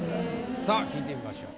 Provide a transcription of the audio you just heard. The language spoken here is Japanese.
さあ聞いてみましょう。